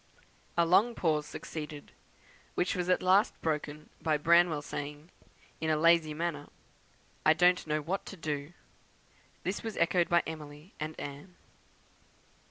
A long pause succeeded, which was at last broken by Branwell saying, in a lazy manner, 'I don't know what to do.' This was echoed by Emily and Anne.